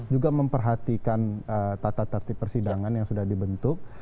juga memperhatikan tata tertib persidangan yang sudah dibentuk